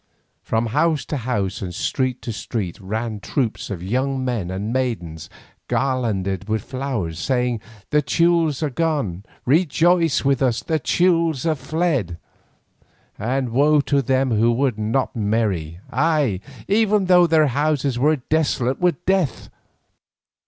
From house to house and street to street ran troops of young men and maidens garlanded with flowers, crying, "The Teules are gone, rejoice with us; the Teules are fled!" and woe to them who were not merry, ay, even though their houses were desolate with death.